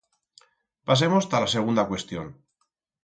Pasemos ta la segunda cuestión.